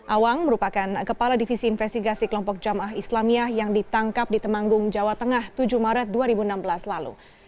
awang merupakan kepala divisi investigasi kelompok jamaah islamiyah yang ditangkap di temanggung jawa tengah tujuh maret dua ribu enam belas lalu